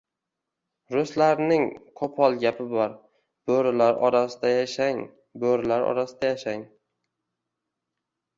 Ruslarning qo'pol gapi bor: "bo'rilar orasida yashang, bo'rilar orasida yashang"